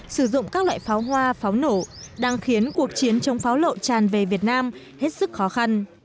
sử dụng các loại pháo hoa pháo nổ đang khiến cuộc chiến chống pháo lộ tràn về việt nam hết sức khó khăn